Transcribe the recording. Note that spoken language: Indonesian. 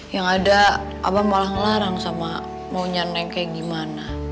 yang ada abang malah ngelarang sama mau nyarnain kayak gimana